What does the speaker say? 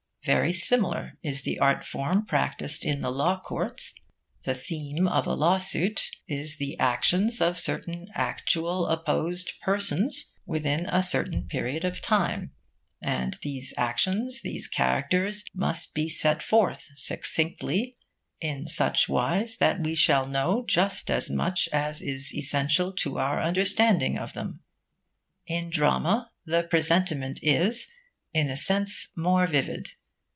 Very similar is the art form practised in the law courts. The theme of a law suit is the actions of certain actual opposed persons within a certain period of time; and these actions, these characters, must be set forth succinctly, in such wise that we shall know just as much as is essential to our understanding of them. In drama, the presentment is, in a sense, more vivid.